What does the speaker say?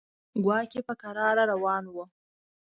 کواګې په کراره روان و.